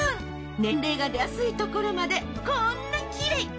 年齢が出やすいところまでこんなにきれい！